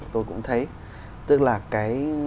tôi cũng thấy tức là cái